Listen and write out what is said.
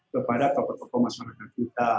kepada tokoh tokoh masyarakat kita